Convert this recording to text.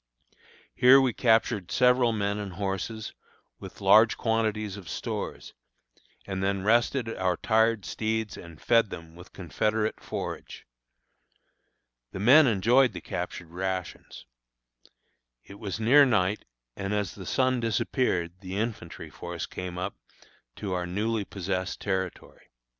Here we captured several men and horses, with large quantities of stores, and then rested our tired steeds and fed them with confederate forage. The men enjoyed the captured rations. It was near night, and as the sun disappeared the infantry force came up to our newly possessed territory.